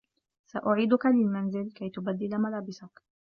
سأعيدك للمنزل كي تبدّل ملابسك.